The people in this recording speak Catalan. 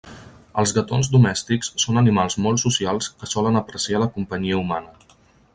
Els gatons domèstics són animals molt socials que solen apreciar la companyia humana.